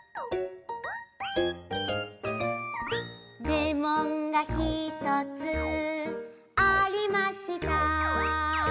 「レモンがひとつありました」